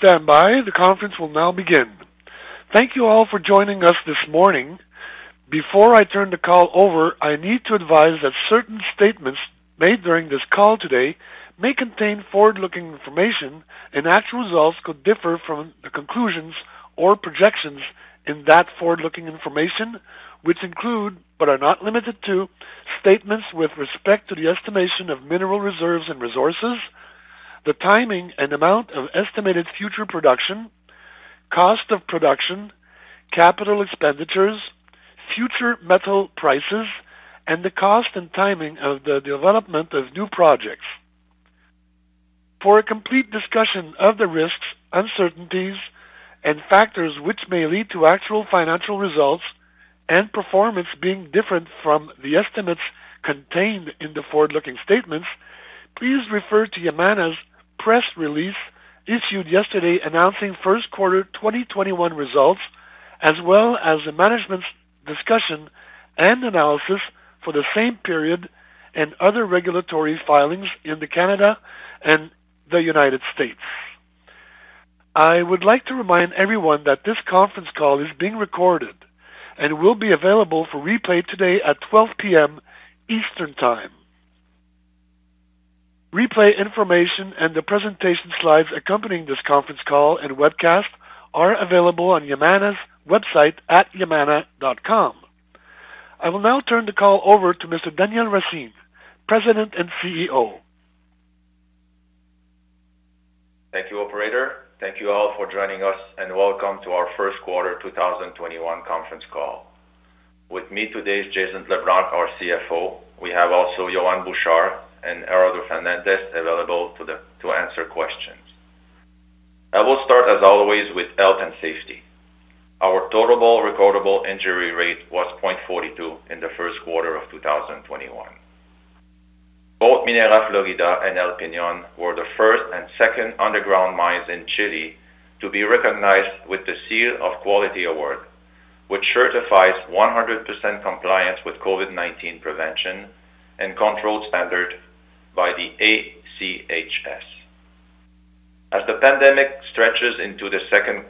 Thank you all for joining us this morning. Before I turn the call over, I need to advise that certain statements made during this call today may contain forward-looking information, and actual results could differ from the conclusions or projections in that forward-looking information, which include but are not limited to statements with respect to the estimation of mineral reserves and resources, the timing and amount of estimated future production, cost of production, capital expenditures, future metal prices, and the cost and timing of the development of new projects. For a complete discussion of the risks, uncertainties, and factors which may lead to actual financial results and performance being different from the estimates contained in the forward-looking statements, please refer to Yamana's press release issued yesterday announcing first quarter 2021 results, as well as the management's discussion and analysis for the same period and other regulatory filings in Canada and the United States. I would like to remind everyone that this conference call is being recorded and will be available for replay today at 12:00 P.M. Eastern Time. Replay information and the presentation slides accompanying this conference call and webcast are available on Yamana's website at yamana.com. I will now turn the call over to Mr. Daniel Racine, President and CEO. Thank you, operator. Thank you all for joining us, welcome to our first quarter 2021 conference call. With me today is Jason LeBlanc, our CFO. We have also Yohann Bouchard and Gerardo Fernandez available to answer questions. I will start, as always, with health and safety. Our total recordable injury rate was 0.42 in the first quarter of 2021. Both Minera Florida and El Peñon were the first and second underground mines in Chile to be recognized with the Seal of Quality Award, which certifies 100% compliance with COVID-19 prevention and control standard by the ACHS. As the pandemic stretches into the second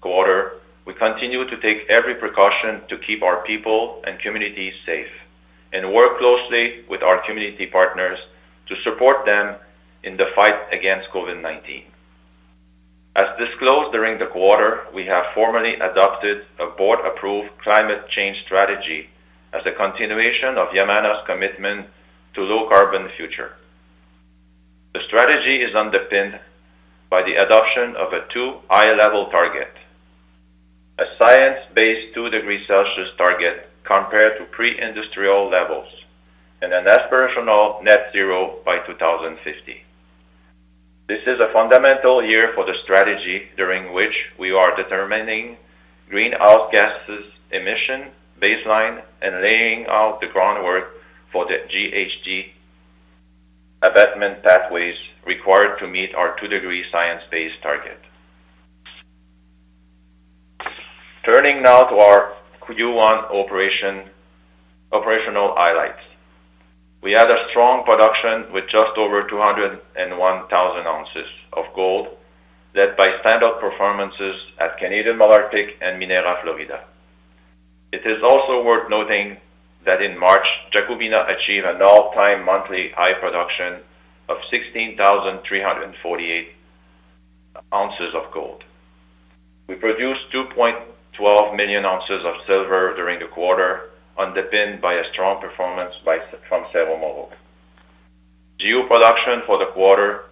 quarter, we continue to take every precaution to keep our people and communities safe and work closely with our community partners to support them in the fight against COVID-19. As disclosed during the quarter, we have formally adopted a board-approved climate change strategy as a continuation of Yamana's commitment to low carbon future. The strategy is underpinned by the adoption of a two high-level target, a science-based two degree Celsius target compared to pre-industrial levels, and an aspirational net zero by 2050. This is a fundamental year for the strategy, during which we are determining greenhouse gases emission baseline and laying out the groundwork for the GHG abatement pathways required to meet our two degree science-based target. Turning now to our Q1 operational highlights. We had a strong production with just over 201,000 oz of gold, led by standout performances at Canadian Malartic and Minera Florida. It is also worth noting that in March, Jacobina achieved an all-time monthly high production of 16,348 oz of gold. We produced 2.12 million oz of silver during the quarter, underpinned by a strong performance from Cerro Moro. GEO production for the quarter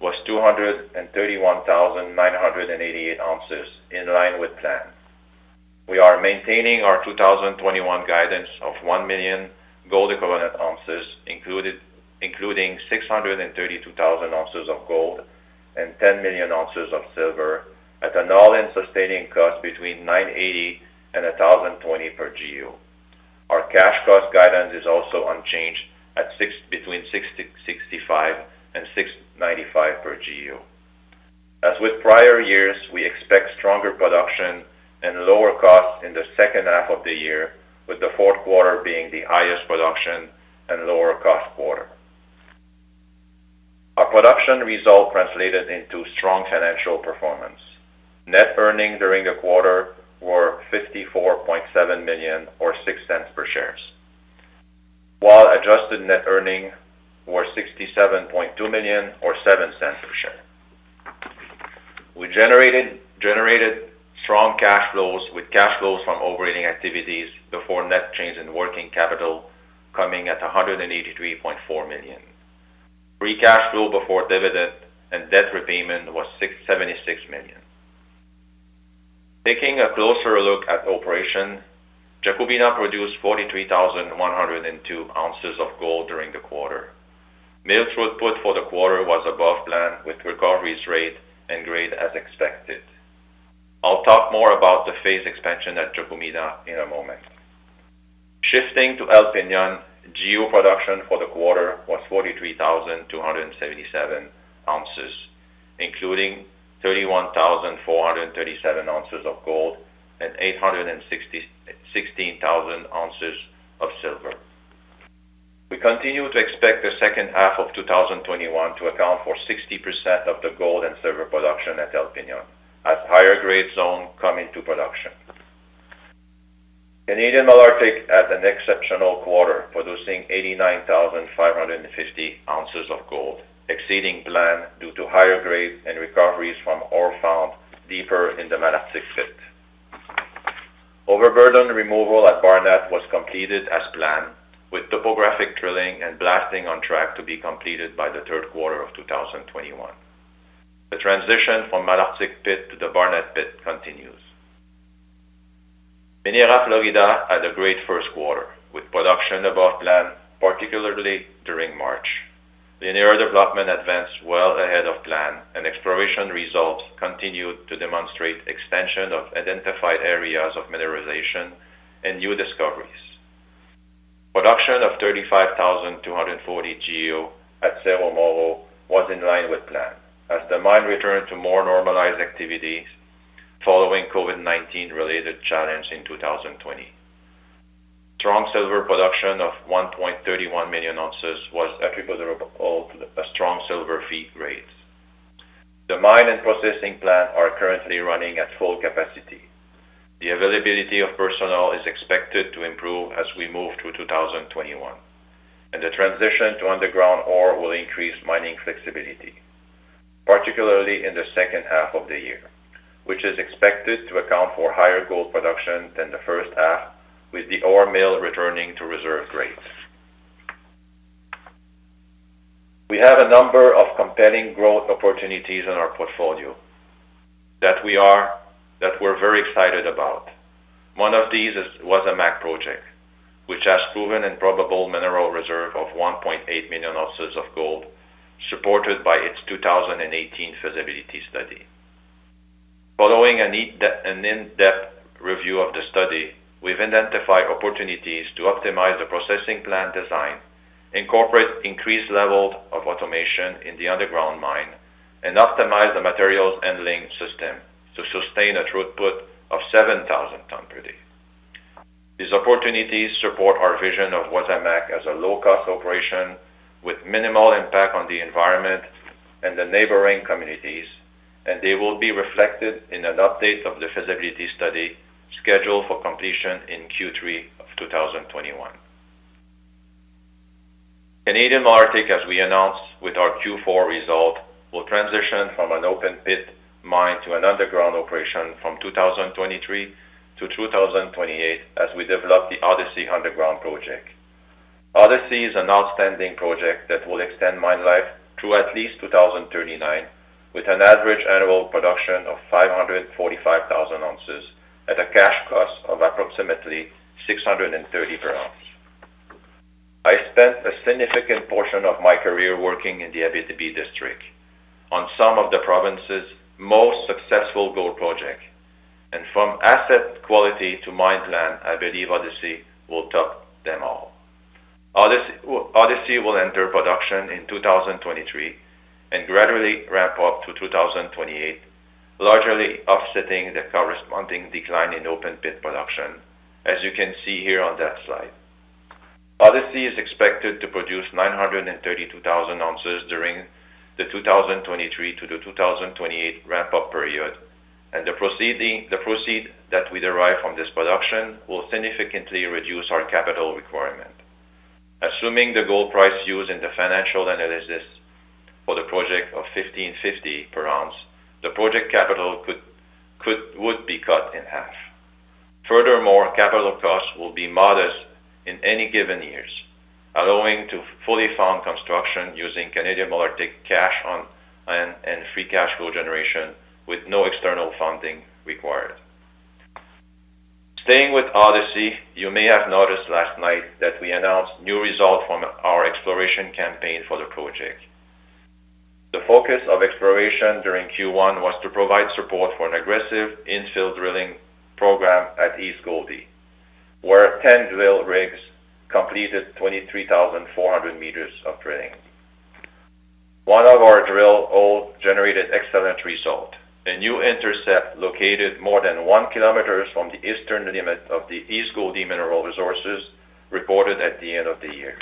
was 231,988 oz, in line with plan. We are maintaining our 2021 guidance of 1 million gold equivalent ounces, including 632,000 oz of gold and 10 million oz of silver at an all-in sustaining cost between $980 and $1,020 per GEO. Our cash cost guidance is also unchanged at between $665 and $695 per GEO. As with prior years, we expect stronger production and lower costs in the second half of the year, with the fourth quarter being the highest production and lower cost quarter. Our production result translated into strong financial performance. Net earnings during the quarter were $54.7 million or $0.06 per share, while adjusted net earnings were $67.2 million or $0.07 per share. We generated strong cash flows with cash flows from operating activities before net change in working capital coming at $183.4 million. Free cash flow before dividend and debt repayment was $76 million. Taking a closer look at operation, Jacobina produced 43,102 oz of gold during the quarter. Mill throughput for the quarter was above plan, with recoveries rate and grade as expected. I'll talk more about the phase expansion at Jacobina in a moment. Shifting to El Peñon, GEO production for the quarter was 43,277 oz, including 31,437 oz of gold and 816,000 oz of silver. We continue to expect the second half of 2021 to account for 60% of the gold and silver production at El Peñon, as higher grade zone come into production. Canadian Malartic had an exceptional quarter, producing 89,550 oz of gold, exceeding plan due to higher grade and recoveries from ore found deeper in the Malartic pit. Overburden removal at Barnat was completed as planned with topographic drilling and blasting on track to be completed by the third quarter of 2021. The transition from Malartic pit to the Barnat pit continues. Minera Florida had a great first quarter, with production above plan, particularly during March. Linear development advanced well ahead of plan and exploration results continued to demonstrate expansion of identified areas of mineralization and new discoveries. Production of 35,240 GEO at Cerro Moro was in line with plan, as the mine returned to more normalized activities following COVID-19 related challenge in 2020. Strong silver production of 1.31 million oz was attributable to the strong silver feed grades. The mine and processing plant are currently running at full capacity. The availability of personnel is expected to improve as we move through 2021 and the transition to underground ore will increase mining flexibility, particularly in the second half of the year, which is expected to account for higher gold production than the first half with the ore mill returning to reserve grades. We have a number of compelling growth opportunities in our portfolio that we're very excited about. One of these Wasamac project, which has proven and probable mineral reserve of 1.8 million oz of gold, supported by its 2018 feasibility study. Following an in-depth review of the study, we've identified opportunities to optimize the processing plant design, incorporate increased levels of automation in the underground mine, and optimize the materials handling system to sustain a throughput of 7,000 tons per day. These opportunities support our vision of Wasamac as a low cost operation with minimal impact on the environment and the neighboring communities, and they will be reflected in an update of the feasibility study scheduled for completion in Q3 of 2021. Canadian Malartic, as we announced with our Q4 result, will transition from an open-pit mine to an underground operation from 2023 to 2028 as we develop the Odyssey Underground project. Odyssey is an outstanding project that will extend mine life through at least 2039, with an average annual production of 545,000 oz at a cash cost of approximately $630 per ounce. I spent a significant portion of my career working in the Abitibi district on some of the province's most successful gold projects, and from asset quality to mine plan, I believe Odyssey will top them all. Odyssey will enter production in 2023 and gradually ramp up to 2028, largely offsetting the corresponding decline in open-pit production, as you can see here on that slide. Odyssey is expected to produce 932,000 oz during the 2023 to the 2028 ramp-up period. The proceed that we derive from this production will significantly reduce our capital requirement. Assuming the gold price used in the financial analysis for the project of $1,550 per ounce, the project capital would be cut in half. Furthermore, capital costs will be modest in any given years, allowing to fully fund construction using Canadian Malartic cash and free cash flow generation with no external funding required. Staying with Odyssey, you may have noticed last night that we announced new result from our exploration campaign for the project. The focus of exploration during Q1 was to provide support for an aggressive infill drilling program at East Goldie, where 10 drill rigs completed 23,400 m of drilling. One of our drill hole generated excellent result. A new intercept located more than 1 km from the eastern limit of the East Goldie mineral resources reported at the end of the year.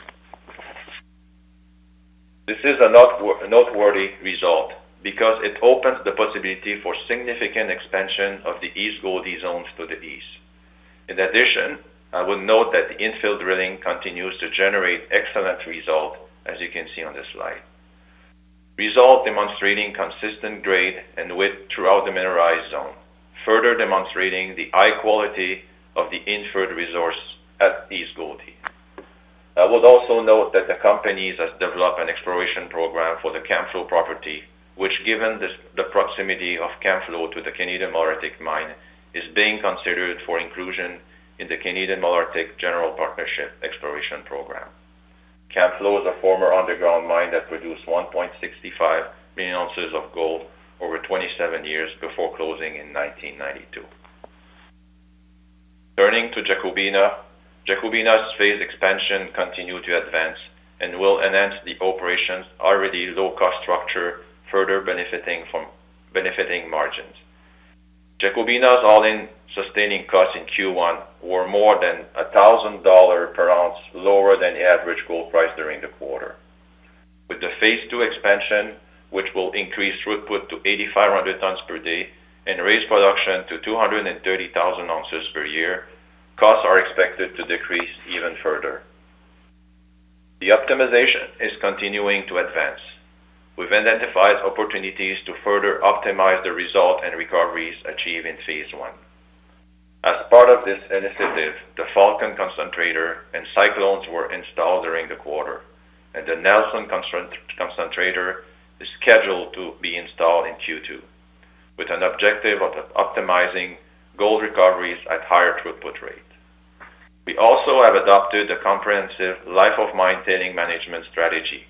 This is a noteworthy result because it opens the possibility for significant expansion of the East Goldie zones to the east. In addition, I would note that the infill drilling continues to generate excellent result as you can see on this slide. Result demonstrating consistent grade and width throughout the mineralized zone, further demonstrating the high quality of the inferred resource at East Goldie. I would also note that the company has developed an exploration program for the Camflo property, which given the proximity of Camflo to the Canadian Malartic Mine, is being considered for inclusion in the Canadian Malartic Partnership exploration program. Camflo is a former underground mine that produced 1.65 million oz of gold over 27 years before closing in 1992. Turning to Jacobina. Jacobina's phase expansion continue to advance and will enhance the operations' already low cost structure, further benefiting margins. Jacobina's all-in sustaining costs in Q1 were more than $1,000 per ounce lower than the average gold price during the quarter. With the phase 2 expansion, which will increase throughput to 8,500 tons per day and raise production to 230,000 oz per year, costs are expected to decrease even further. The optimization is continuing to advance. We've identified opportunities to further optimize the result and recoveries achieved in phase 1. As part of this initiative, the Falcon concentrator and cyclones were installed during the quarter, and the Knelson concentrator is scheduled to be installed in Q2, with an objective of optimizing gold recoveries at higher throughput rate. We also have adopted a comprehensive life of mine tailing management strategy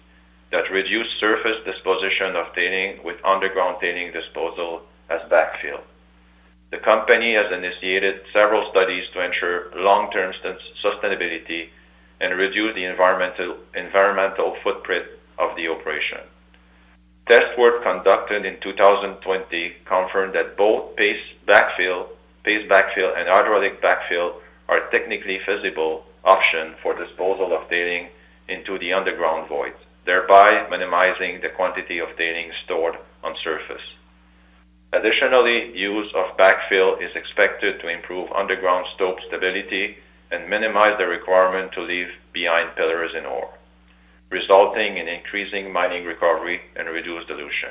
that reduce surface disposition of tailing with underground tailing disposal as backfill. The company has initiated several studies to ensure long-term sustainability and reduce the environmental footprint of the operation. Test work conducted in 2020 confirmed that both paste backfill and hydraulic backfill are technically feasible option for disposal of tailing into the underground void, thereby minimizing the quantity of tailing stored on surface. Additionally, use of backfill is expected to improve underground stope stability and minimize the requirement to leave behind pillars in ore, resulting in increasing mining recovery and reduced dilution.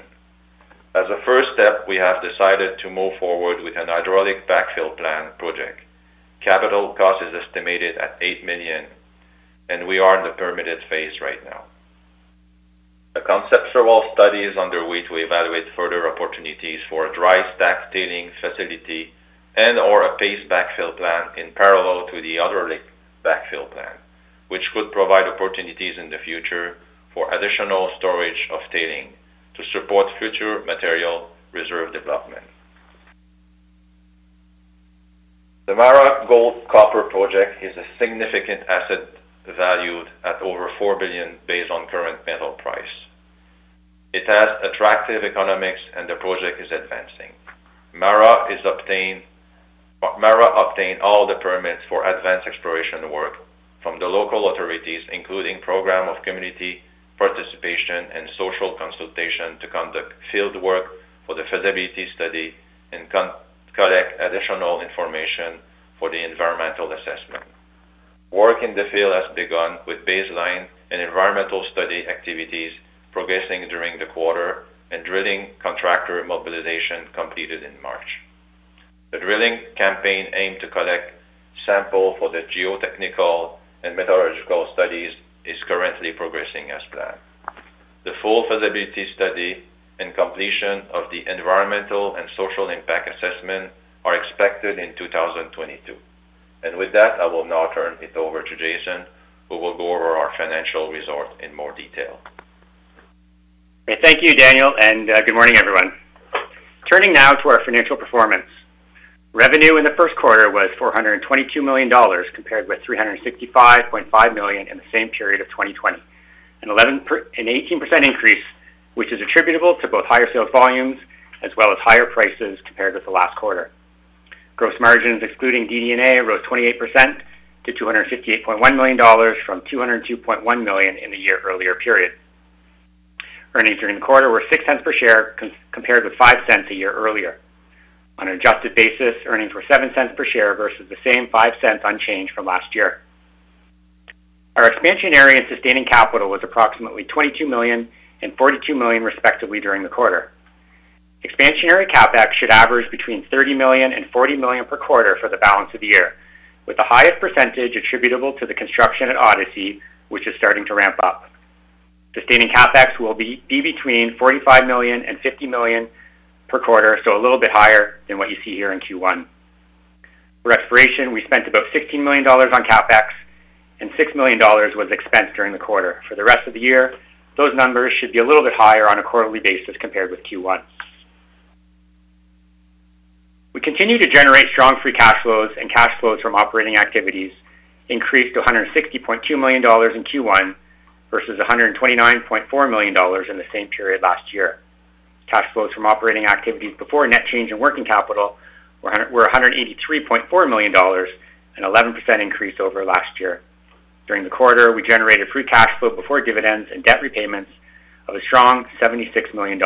As a first step, we have decided to move forward with a hydraulic backfill plant project. Capital cost is estimated at $8 million, and we are in the permitted phase right now. A conceptual study is underway to evaluate further opportunities for a dry stack tailing facility and/or a paste backfill plant in parallel to the hydraulic backfill plant, which could provide opportunities in the future for additional storage of tailing to support future material reserve development. The Mara gold copper project is a significant asset valued at over $4 billion based on current metal price. It has attractive economics and the project is advancing. Mara obtained all the permits for advanced exploration work from the local authorities, including program of community participation and social consultation to conduct field work for the feasibility study and collect additional information for the environmental assessment. Work in the field has begun with baseline and environmental study activities progressing during the quarter and drilling contractor mobilization completed in March. The drilling campaign aimed to collect sample for the geotechnical and metallurgical studies is currently progressing as planned. The full feasibility study and completion of the environmental and social impact assessment are expected in 2022. With that, I will now turn it over to Jason, who will go over our financial results in more detail. Thank you, Daniel. Good morning, everyone. Turning now to our financial performance. Revenue in the first quarter was $422 million, compared with $365.5 million in the same period of 2020, an 18% increase, which is attributable to both higher sales volumes as well as higher prices compared with the last quarter. Gross margins excluding DD&A rose 28% to $258.1 million from $202.1 million in the year earlier period. Earnings during the quarter were $0.06 per share compared with $0.05 a year earlier. On an adjusted basis, earnings were $0.07 per share versus the same $0.05 unchanged from last year. Our expansionary and sustaining capital was approximately $22 million and $42 million respectively during the quarter. Expansionary CapEx should average between $30 million and $40 million per quarter for the balance of the year, with the highest percentage attributable to the construction at Odyssey, which is starting to ramp up. Sustaining CapEx will be between $45 million and $50 million per quarter, so a little bit higher than what you see here in Q1. For exploration, we spent about $16 million on CapEx, and $6 million was expensed during the quarter. For the rest of the year, those numbers should be a little bit higher on a quarterly basis compared with Q1. We continue to generate strong free cash flows, and cash flows from operating activities increased to $160.2 million in Q1 versus $129.4 million in the same period last year. Cash flows from operating activities before net change in working capital were $183.4 million, an 11% increase over last year. During the quarter, we generated free cash flow before dividends and debt repayments of a strong $76 million.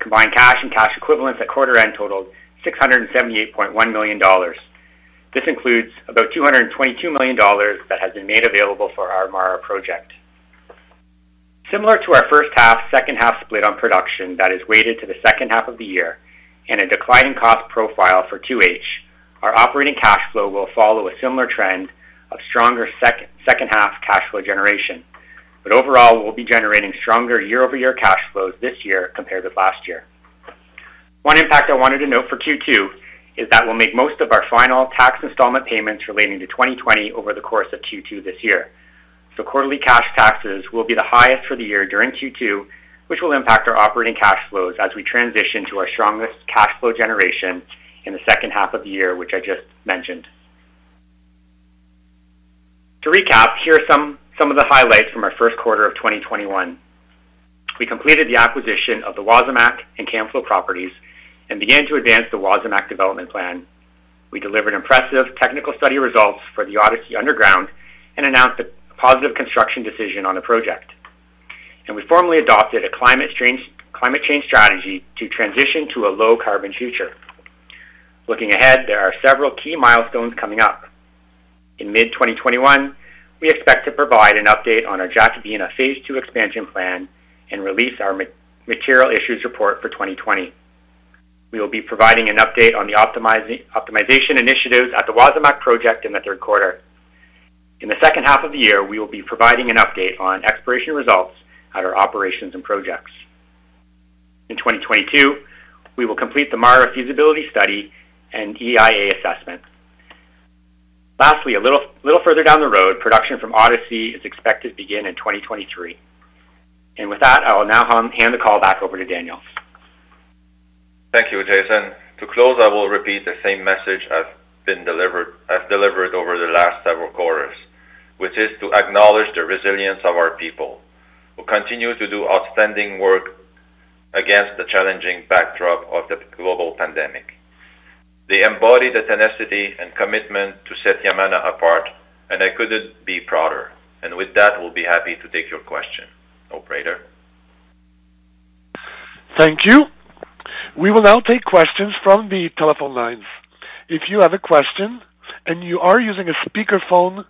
Combined cash and cash equivalents at quarter end totaled $678.1 million. This includes about $222 million that has been made available for our Mara project. Similar to our first half, second half split on production that is weighted to the second half of the year and a declining cost profile for 2H, our operating cash flow will follow a similar trend of stronger second half cash flow generation. Overall, we'll be generating stronger year-over-year cash flows this year compared with last year. One impact I wanted to note for Q2 is that we'll make most of our final tax installment payments relating to 2020 over the course of Q2 this year. Quarterly cash taxes will be the highest for the year during Q2, which will impact our operating cash flows as we transition to our strongest cash flow generation in the second half of the year, which I just mentioned. To recap, here are some of the highlights from our first quarter of 2021. We completed the acquisition of the Wasamac and Camflo properties and began to advance the Wasamac development plan. We delivered impressive technical study results for the Odyssey Underground and announced a positive construction decision on the project. We formally adopted a climate change strategy to transition to a low-carbon future. Looking ahead, there are several key milestones coming up. In mid-2021, we expect to provide an update on our Jacobina phase 2 expansion plan and release our material issues report for 2020. We will be providing an update on the optimization initiatives at the Wasamac project in the third quarter. In the second half of the year, we will be providing an update on exploration results at our operations and projects. In 2022, we will complete the Mara feasibility study and EIA assessment. Lastly, a little further down the road, production from Odyssey is expected to begin in 2023. With that, I will now hand the call back over to Daniel. Thank you, Jason. To close, I will repeat the same message I've delivered over the last several quarters, which is to acknowledge the resilience of our people, who continue to do outstanding work against the challenging backdrop of the global pandemic. They embody the tenacity and commitment to set Yamana apart, and I couldn't be prouder. With that, we'll be happy to take your question. Operator? Thank you. We will now take questions from the telephone lines. If you have a question and you are using a speakerphone,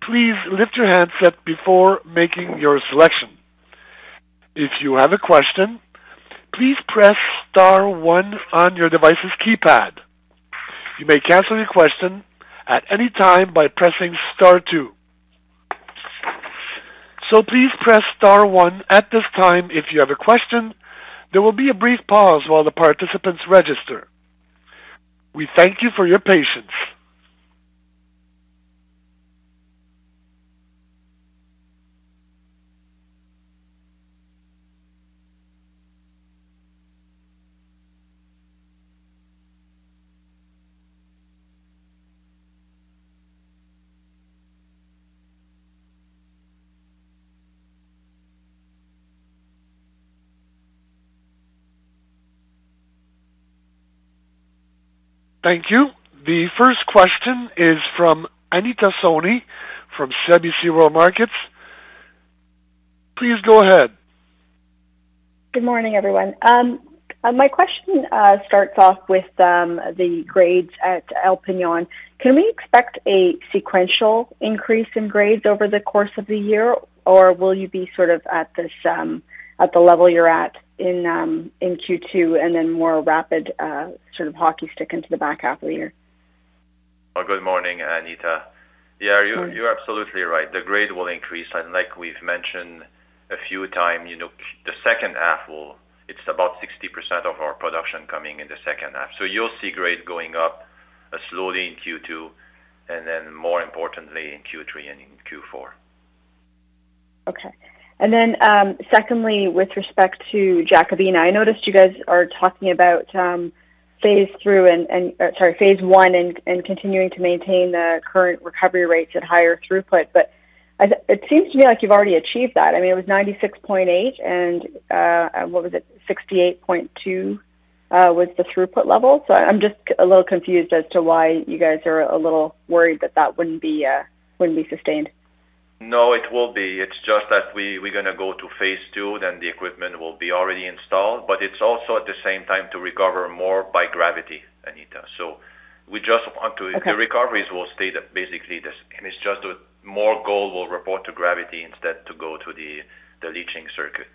please lift your handset before making your selection. If you have a question, please press star one on your device's keypad. You may cancel your question at any time by pressing star two. Please press star one at this time if you have a question. There will be a brief pause while the participants register. We thank you for your patience. Thank you. The first question is from Anita Soni from CIBC World Markets. Please go ahead. Good morning, everyone. My question starts off with the grades at El Peñon. Can we expect a sequential increase in grades over the course of the year, or will you be sort of at the level you're at in Q2 and then more rapid sort of hockey stick into the back half of the year? Good morning, Anita. Yeah, you're absolutely right. The grade will increase, and like we've mentioned a few times, it's about 60% of our production coming in the second half. You'll see grades going up slowly in Q2 and then more importantly in Q3 and in Q4. Okay. Secondly, with respect to Jacobina, I noticed you guys are talking about phase 1 and continuing to maintain the current recovery rates at higher throughput. It seems to me like you've already achieved that. I mean, it was 96.8 and what was it? 68.2 was the throughput level. I'm just a little confused as to why you guys are a little worried that that wouldn't be sustained. No, it will be. It's just that we're going to go to phase 2, then the equipment will be already installed, but it's also at the same time to recover more by gravity, Anita. Okay. The recoveries will stay basically the same. It's just that more gold will report to gravity instead to go to the leaching circuit.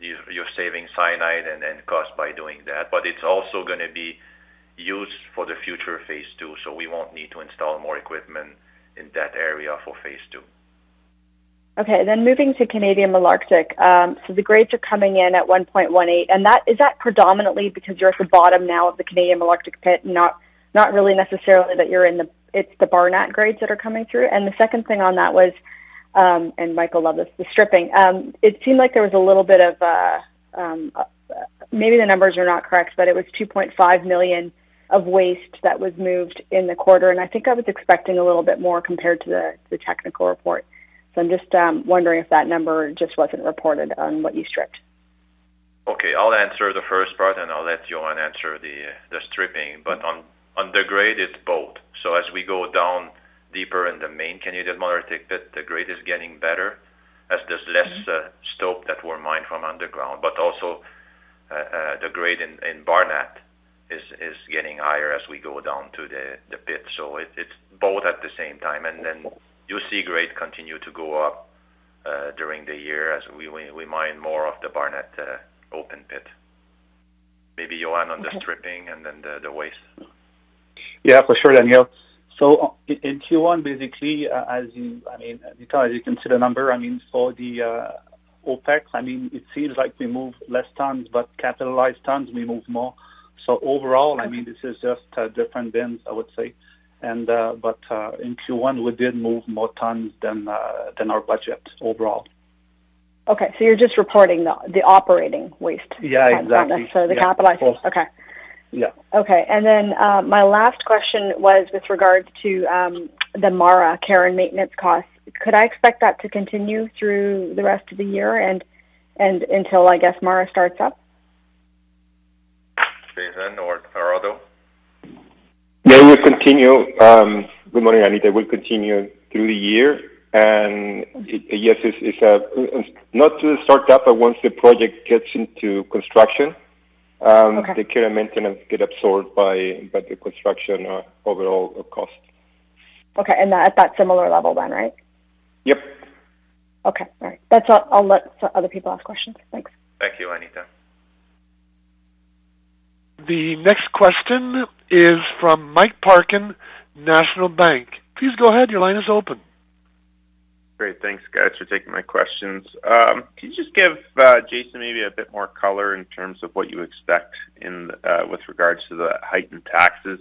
You're saving cyanide and cost by doing that. It's also going to be used for the future phase 2, so we won't need to install more equipment in that area for phase two. Moving to Canadian Malartic. The grades are coming in at 1.18, and is that predominantly because you're at the bottom now of the Canadian Malartic pit, not really necessarily that it's the Barnat grades that are coming through? The second thing on that was, and Mike loved this, the stripping. It seemed like there was a little bit of, maybe the numbers are not correct, but it was 2.5 million of waste that was moved in the quarter, and I think I was expecting a little bit more compared to the technical report. I'm just wondering if that number just wasn't reported on what you stripped. I'll answer the first part, and I'll let Yohann answer the stripping. On the grade, it's both. As we go down deeper in the main Canadian Malartic pit, the grade is getting better as there's less stope that were mined from underground. Also, the grade in Barnat is getting higher as we go down to the pit. It's both at the same time, and then you'll see grade continue to go up during the year as we mine more of the Barnat open pit. Maybe Yohann on the stripping and then the waste. Yeah, for sure, Daniel. In Q1, basically, Anita, as you can see the number, for the OpEx, it seems like we moved less tons, but capitalized tons, we moved more. Overall, this is just different tons, I would say. In Q1, we did move more tons than our budget overall. Okay, you're just reporting the operating waste? Yeah, exactly. Not necessarily the capitalized. Okay. Yeah. Okay. My last question was with regard to the Mara care and maintenance costs. Could I expect that to continue through the rest of the year and until I guess Mara starts up? Jason or Gerardo? They will continue. Good morning, Anita. Will continue through the year and, yes, not to start up, but once the project gets into construction. Okay The care and maintenance get absorbed by the construction overall cost. Okay. At that similar level then, right? Yep. That's all. I'll let other people ask questions. Thanks. Thank you, Anita. The next question is from Mike Parkin, National Bank. Please go ahead. Your line is open. Great. Thanks, guys, for taking my questions. Can you just give, Jason, maybe a bit more color in terms of what you expect with regards to the heightened taxes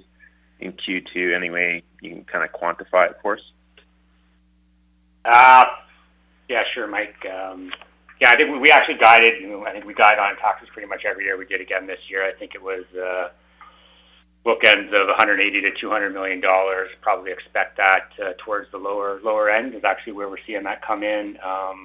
in Q2? Any way you can kind of quantify it for us? Sure, Mike. I think we actually guided, I think we guide on taxes pretty much every year. We did again this year. I think it was bookends of $180 million-$200 million. Probably expect that towards the lower end is actually where we're seeing that come in. I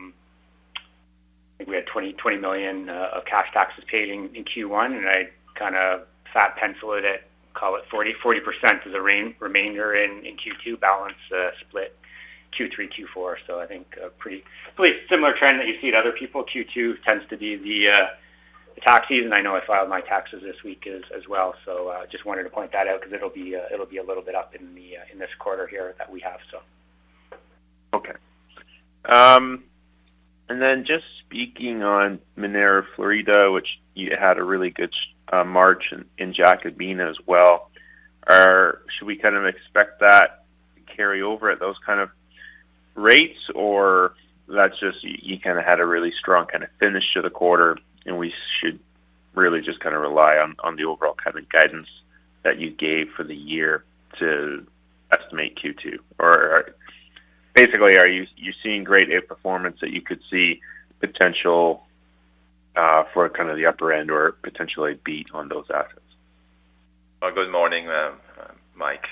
think we had $20 million of cash taxes paid in Q1, and I kind of fat pencil it at, call it 40% as a remainder in Q2 balance split Q3, Q4. I think a pretty similar trend that you see at other people. Q2 tends to be the tax season. I know I filed my taxes this week as well, just wanted to point that out because it'll be a little bit up in this quarter here that we have. Okay. Just speaking on Minera Florida, which you had a really good March in Jacobina as well, should we kind of expect that carry over at those kind of rates, or that's just you kind of had a really strong kind of finish to the quarter and we should really just kind of rely on the overall kind of guidance that you gave for the year to estimate Q2? Basically, are you seeing grade A performance that you could see potential for kind of the upper end or potentially a beat on those assets? Good morning, Mike.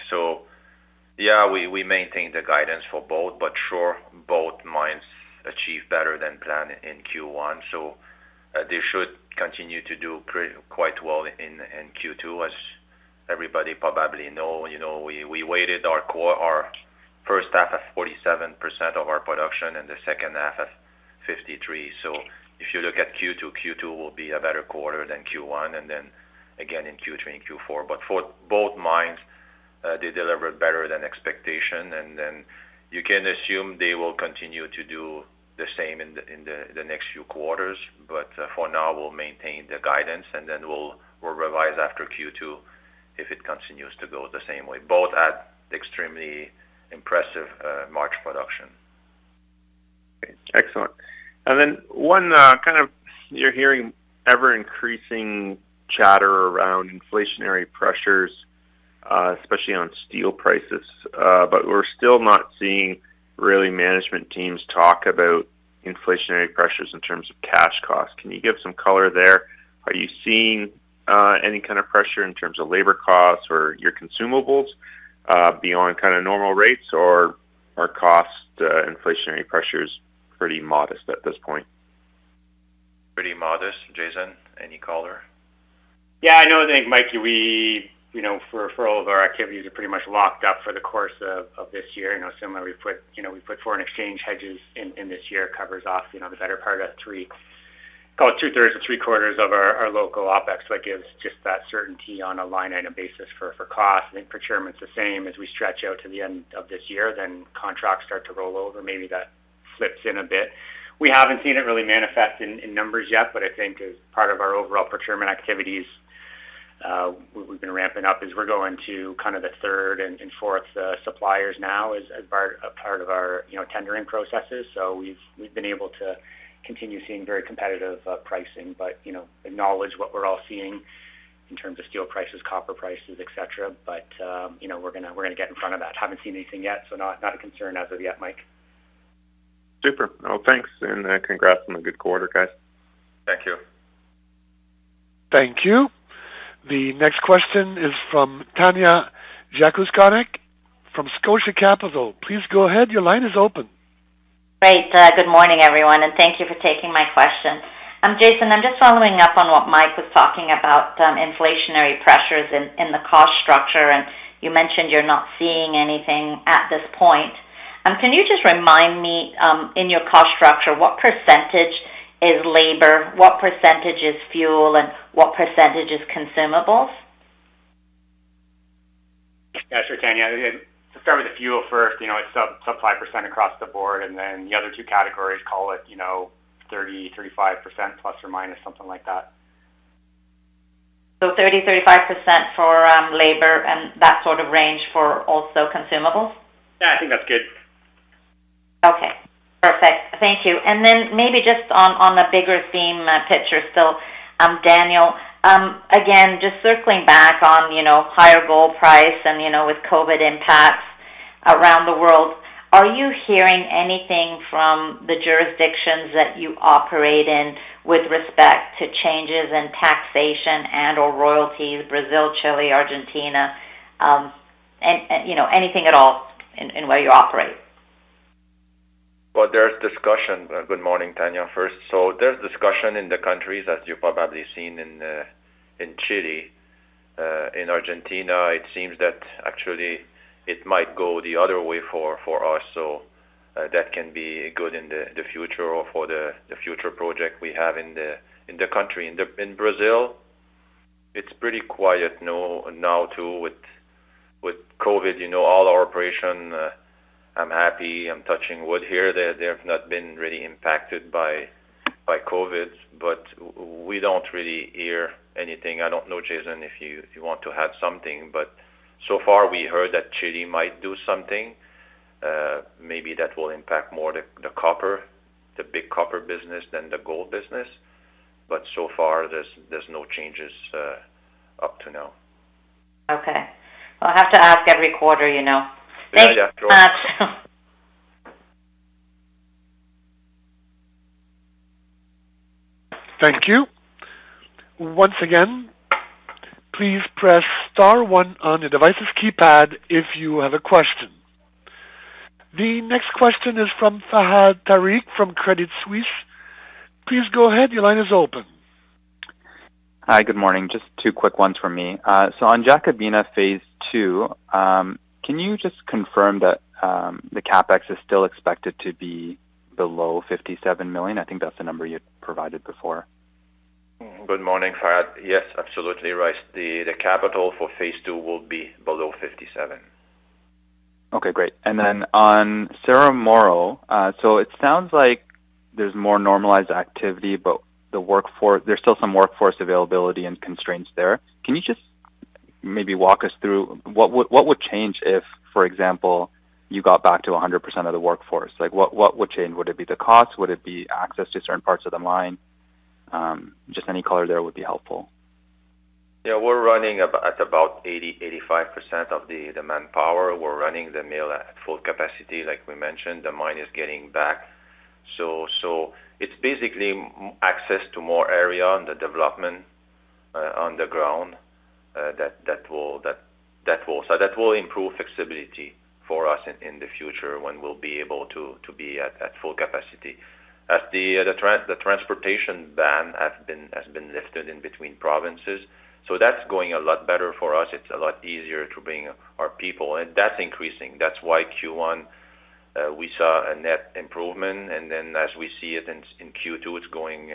Yeah, we maintain the guidance for both, but sure, both mines achieved better than planned in Q1, they should continue to do quite well in Q2. As everybody probably knows, we weighted our first half at 47% of our production and the second half at 53%. If you look at Q2 will be a better quarter than Q1 and then again in Q3 and Q4. For both mines, they delivered better than expectations, and then you can assume they will continue to do the same in the next few quarters. For now, we'll maintain the guidance and then we'll revise after Q2 if it continues to go the same way. Both had extremely impressive March production. Okay, excellent. You're hearing ever-increasing chatter around inflationary pressures, especially on steel prices. We're still not seeing really management teams talk about inflationary pressures in terms of cash costs. Can you give some color there? Are you seeing any kind of pressure in terms of labor costs or your consumables, beyond normal rates or are cost inflationary pressures pretty modest at this point? Pretty modest, Jason? Any color? Yeah, I know, I think, Mike, for all of our activities are pretty much locked up for the course of this year. Similarly, we put foreign exchange hedges in this year, covers off the better part of three, call it two-thirds or three-quarters of our local OpEx. That gives just that certainty on a line-item basis for cost. I think procurement's the same as we stretch out to the end of this year, contracts start to roll over. Maybe that slips in a bit. We haven't seen it really manifest in numbers yet, I think as part of our overall procurement activities, we've been ramping up as we're going to kind of the third and fourth suppliers now as a part of our tendering processes. We've been able to continue seeing very competitive pricing, but acknowledge what we're all seeing in terms of steel prices, copper prices, et cetera. We're going to get in front of that. Haven't seen anything yet. Not a concern as of yet, Mike. Super. Thanks and congrats on a good quarter, guys. Thank you. Thank you. The next question is from Tanya Jakusconek from Scotia Capital. Please go ahead. Your line is open. Great. Good morning, everyone, and thank you for taking my question. Jason, I'm just following up on what Mike was talking about, inflationary pressures in the cost structure. You mentioned you're not seeing anything at this point. Can you just remind me, in your cost structure, what percentage is labor, what percentage is fuel, and what percentage is consumables? Yeah, sure, Tanya. To start with the fuel first, it's sub 5% across the board, and then the other two categories, call it 30%-35% ±, something like that. 30%-35% for labor and that sort of range for also consumables? Yeah, I think that's good. Okay, perfect. Thank you. Then maybe just on the bigger theme picture still. Daniel, again, just circling back on higher gold price and with COVID-19 impacts around the world, are you hearing anything from the jurisdictions that you operate in with respect to changes in taxation and or royalties, Brazil, Chile, Argentina, anything at all in where you operate? Well, good morning, Tanya, first. There's discussion in the countries, as you've probably seen in Chile. In Argentina, it seems that actually it might go the other way for us, so that can be good in the future or for the future project we have in the country. In Brazil, it's pretty quiet now, too, with COVID. All our operation, I'm happy, I'm touching wood here, they have not been really impacted by COVID. We don't really hear anything. I don't know, Jason, if you want to add something, but so far we heard that Chile might do something. Maybe that will impact more the copper, the big copper business than the gold business. So far, there's no changes up to now. Okay. I'll have to ask every quarter. Yeah. Thanks. Thank you. Once again, please press star one on your device's keypad if you have a question. The next question is from Fahad Tariq from Credit Suisse. Please go ahead. Your line is open. Hi, good morning. Just two quick ones from me. On Jacobina phase two, can you just confirm that, the CapEx is still expected to be below $57 million? I think that's the number you'd provided before. Good morning, Fahad. Yes, absolutely right. The capital for phase 2 will be below $57 million. Okay, great. On Cerro Moro, so it sounds like there's more normalized activity, but there's still some workforce availability and constraints there. Can you just maybe walk us through what would change if, for example, you got back to 100% of the workforce? What would change? Would it be the cost? Would it be access to certain parts of the mine? Just any color there would be helpful. Yeah, we're running at about 80%, 85% of the manpower. We're running the mill at full capacity, like we mentioned. The mine is getting back. It's basically access to more area on the development underground. That will improve flexibility for us in the future when we'll be able to be at full capacity. The transportation ban has been lifted in between provinces, so that's going a lot better for us. It's a lot easier to bring our people, and that's increasing. That's why Q1 we saw a net improvement. As we see it in Q2, it's going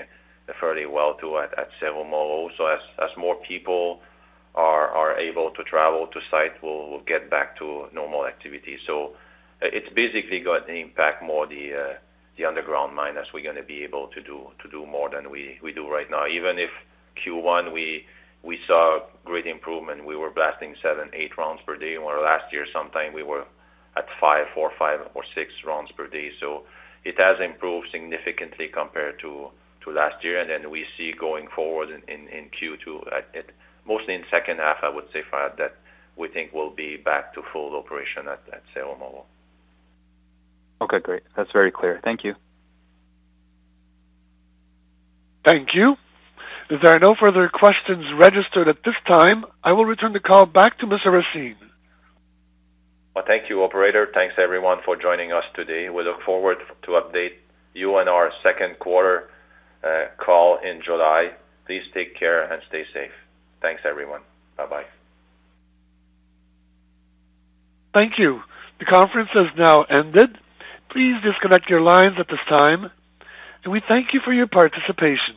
fairly well, too, at Cerro Moro. As more people are able to travel to site, we'll get back to normal activity. It's basically going to impact more the underground mine, as we're going to be able to do more than we do right now. Even if Q1 we saw great improvement, we were blasting seven, eight rounds per day, where last year sometime we were at five, four, five or six rounds per day. It has improved significantly compared to last year. We see going forward in Q2, mostly in second half, I would say, Fahad, that we think we'll be back to full operation at Cerro Moro. Okay, great. That's very clear. Thank you. Thank you. If there are no further questions registered at this time, I will return the call back to Mr. Racine. Well, thank you, operator. Thanks, everyone, for joining us today. We look forward to update you on our second quarter call in July. Please take care and stay safe. Thanks, everyone. Bye-bye. Thank you. The conference has now ended. Please disconnect your lines at this time, and we thank you for your participation.